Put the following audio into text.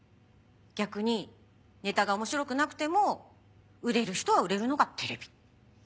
逆にネタが面白くなくても売れる人は売れるのがテレビ。